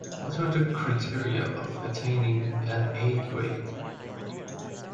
What are the criteria of attaining an A-grade?